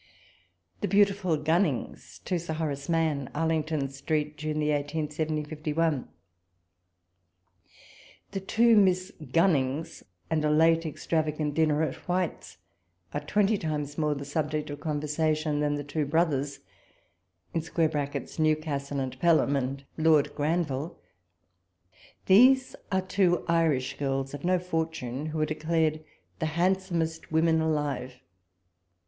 ... THE BEAUTIFUL GUNXINGS. To Sir Horace M.\nn. Arlington Street, June IS, 1751. ... The two Miss Gunnings, and a late extravagant dinner at White's, are twenty times more the subject of conversation than the two brothers [Newcastle and Pelham] and Lord Granville. These are two Irish girls, of no for tune, who are declared the handsomest women alive.